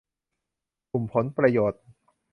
กลุ่มผลประโยชน์